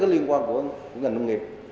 các hồ chứa liên quan đến ngành nông nghiệp